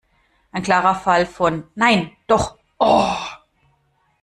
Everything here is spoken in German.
Ein klarer Fall von: "Nein! Doch! Oh!"